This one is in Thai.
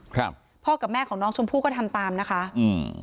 ครับพ่อกับแม่ของน้องชมพู่ก็ทำตามนะคะอืม